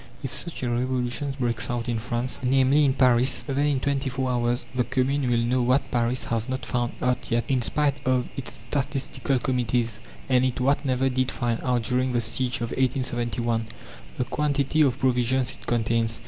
If such a revolution breaks out in France, namely in Paris, then in twenty four hours the Commune will know what Paris has not found out yet, in spite of its statistical committees, and what it never did find out during the siege of 1871 the quantity of provisions it contains.